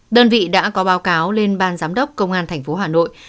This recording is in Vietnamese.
đơn vị đã có báo cáo lên ban giám đốc công an thành phố hà nội